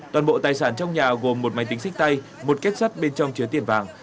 toàn bộ tài sản trong nhà gồm một máy tính sách tay một kết sắt bên trong chứa tiền vàng